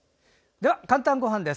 では「かんたんごはん」です。